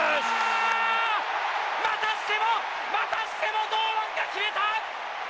またしても、またしても堂安が決めた！